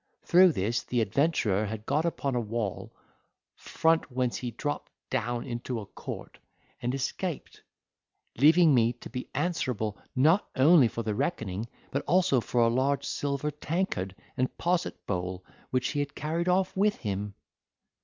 Through this the adventurer had got upon a wall, front whence he dropped down into a court and escaped, leaving me to be answerable not only for the reckoning, but also for a large silver tankard and posset bowl, which he had carried off with him.